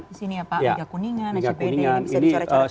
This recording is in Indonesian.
di sini ya pak megakuningan acbd ini bisa dicara cara